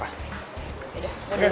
yaudah gue duluan ya